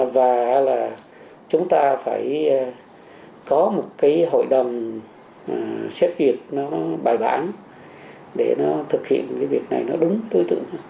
và là chúng ta phải có một cái hội đồng xét duyệt nó bài bản để nó thực hiện cái việc này nó đúng đối tượng